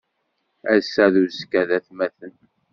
Ass-a d uzekka d atmaten.